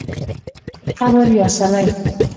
قبر یا څلی